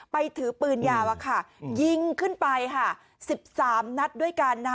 ถือปืนยาวยิงขึ้นไปค่ะ๑๓นัดด้วยกัน